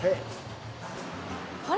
あれ？